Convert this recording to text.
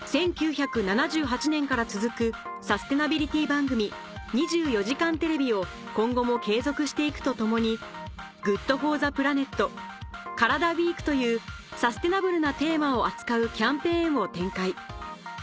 １９７８年から続くサステナビリティ番組『２４時間テレビ』を今後も継続して行くとともに「ＧＯＯＤＦＯＲＴＨＥＰＬＡＮＥＴ」「カラダＷＥＥＫ」というサステナブルなテーマを扱うキャンペーンを展開